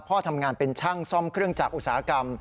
พ่อทำงานเป็นช่างซ่อมเครื่องจักรอุตสาหกรรม